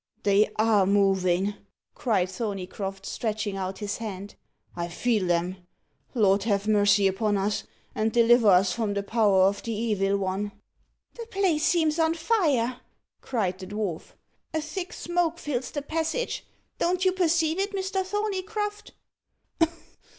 "They are moving," cried Thorneycroft, stretching out his hand. "I feel 'em. Lord have mercy upon us, and deliver us from the power of the Evil One!" "The place seems on fire," cried the dwarf. "A thick smoke fills the passage. Don't you perceive it, Mr. Thorneycroft?"